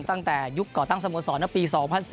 ตั้งแต่ยุคเกาะตั้งสมสรณ์ในปี๒๐๑๐